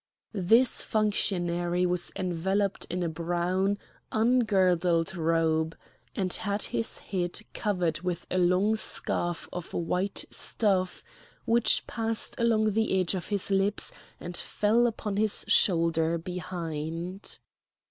This functionary was enveloped in a brown, ungirdled robe, and had his head covered with a long scarf of white stuff which passed along the edge of his lips and fell upon his shoulder behind.